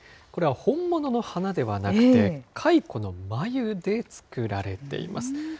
これは本物の花ではなくて、蚕の繭で作られています。